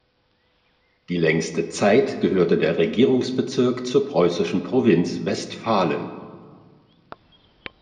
Die längste Zeit gehörte der Regierungsbezirk zur preußischen Provinz Westfalen.